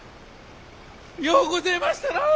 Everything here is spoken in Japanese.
ようごぜましたなあ。